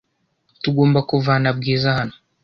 Tugomba kuvana Bwiza hano .